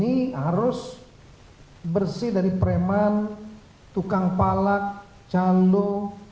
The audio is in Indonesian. ini harus bersih dari preman tukang palak candu